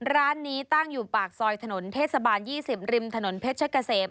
ร้านนี้ตั้งอยู่ปากซอยถนนเทศบาล๒๐ริมถนนเพชรเกษม